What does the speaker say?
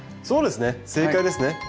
そうですね正解ですね。